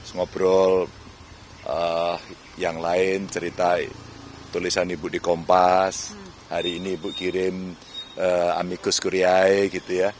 ngobrol yang lain cerita tulisan ibu di kompas hari ini ibu kirim amicus kuriai gitu ya